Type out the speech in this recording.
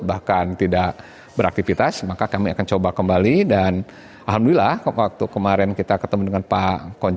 bahkan tidak beraktivitas maka kami akan coba kembali dan alhamdulillah waktu kemarin kita ketemu dengan pak jokowi